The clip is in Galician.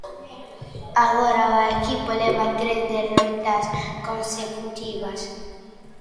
Agora o equipo leva tres derrotas consecutivas.